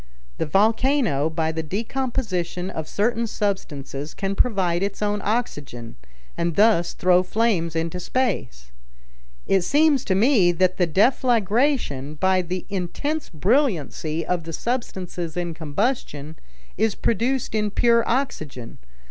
The volcano, by the decomposition of certain substances, can provide its own oxygen, and thus throw flames into space. It seems to me that the deflagration, by the intense brilliancy of the substances in combustion, is produced in pure oxygen.